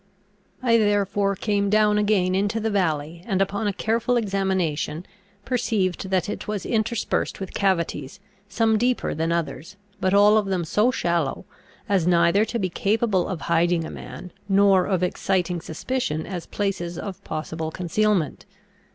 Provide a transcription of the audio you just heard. I therefore came down again into the valley, and upon a careful examination perceived that it was interspersed with cavities, some deeper than others, but all of them so shallow, as neither to be capable of hiding a man, nor of exciting suspicion as places of possible concealment.